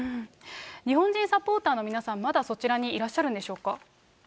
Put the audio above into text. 日本人サポーターの皆さん、まだそちらにいらっしゃるんでしょうか。